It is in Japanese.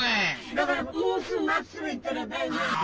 だから、もうすぐ、まっすぐ行ったら、大同町やから。